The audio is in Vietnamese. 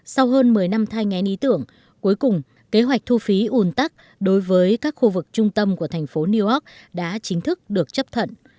sau hơn một mươi năm thai ngán ý tưởng cuối cùng kế hoạch thu phí ủng tắc đối với các khu vực trung tâm của thành phố newark đã chính thức được chấp thận